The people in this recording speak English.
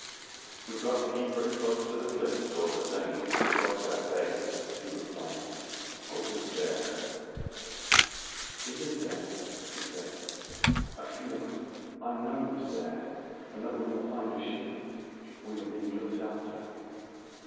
"We've got to keep pretty close to the cliffs, all the same, to strike that bay," he replied, "hope it's there." "It is there," said she. "I feel I know it is there and that we will find a ship. We are being looked after."